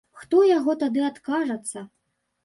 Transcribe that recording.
Хто яго тады адкажацца.